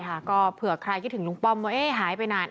ค่ะก็เผื่อใครคิดถึงลุงป้อมว่าหายไปนาน